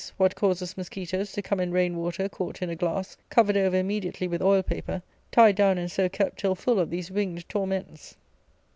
What causes musquitoes to come in rain water caught in a glass, covered over immediately with oil paper, tied down and so kept till full of these winged torments?